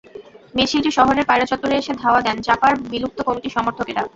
মিছিলটি শহরের পায়রা চত্বরে এলে ধাওয়া দেন জাপার বিলুপ্ত কমিটির সমর্থকেরা।